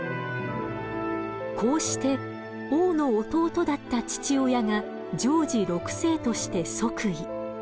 こうして王の弟だった父親がジョージ６世として即位。